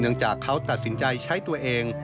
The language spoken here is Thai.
หลังจากเขาตัดสินใจใช้ตัวเอง